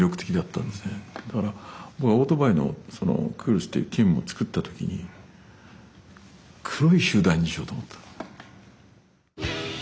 だから僕はオートバイのそのクールスというチームを作った時に黒い集団にしようと思った。